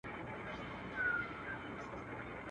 له ارغوان تر لاله زار ښکلی دی.